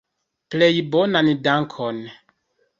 Plej bonan dankon.